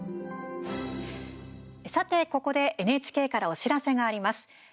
さて、ここでＮＨＫからお知らせがあります。